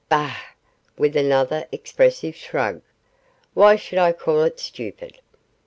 Bah!' with another expressive shrug 'why should I call it stupid?